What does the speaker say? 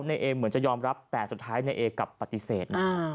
นายเอเหมือนจะยอมรับแต่สุดท้ายนายเอกลับปฏิเสธนะ